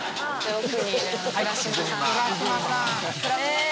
奥にいる倉島さん。